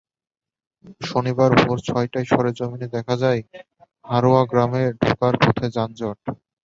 শনিবার ভোর ছয়টায় সরেজমিনে দেখা যায়, হারোয়া গ্রামে ঢোকার পথে যানজট।